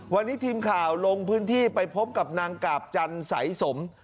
วันนี้ทีมข่าวลงพื้นที่ไปพบกับนางกาบจันใสสม